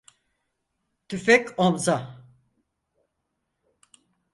Tüfek omza!